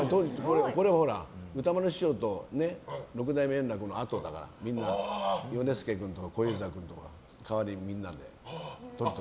これは歌丸師匠と６代目円楽のあとだからみんな、ヨネスケ君とか小遊三君とかの代わりにみんなで。